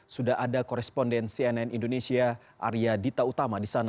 sudah ada koresponden cnn indonesia arya dita utama di sana